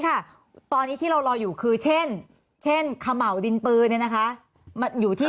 ค่ะตอนนี้ที่เรารออยู่คือเช่นเช่นขมัวดินปืนนะคะอยู่ที่